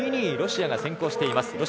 ロシアが先行しています。